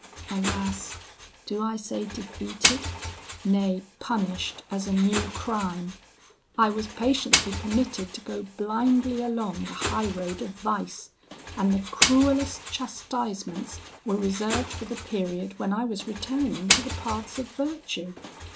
Alas do I say defeated? nay punished as a new crime. I was patiently permitted to go blindly along the high road of vice; and the cruellest chastisements were reserved for the period when I was returning to the paths of virtue.